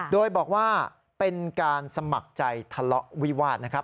โดยบอกว่าเป็นการสมัครใจทะเลาะวิวาสนะครับ